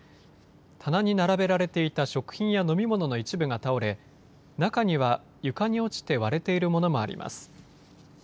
棚に並べられていた食品や飲み物の一部が倒れ、中には床に落ちて割れているものもあります。